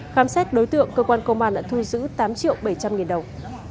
khám xét đối tượng cơ quan công an đã thu giữ tám triệu bảy trăm linh nghìn đồng